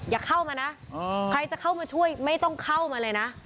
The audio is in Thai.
อย่าเข้ามานะใครจะเข้ามาช่วยไม่ต้องเข้ามาเลยนะ